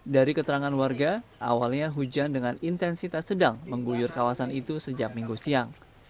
dari keterangan warga awalnya hujan dengan intensitas sedang mengguyur kawasan itu sejak minggu siang